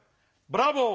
ブラボー。